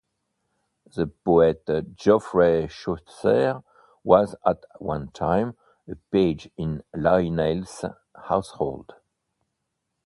The poet Geoffrey Chaucer was at one time a page in Lionel's household.